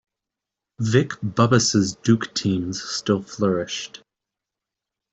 Vic Bubas' Duke teams still flourished.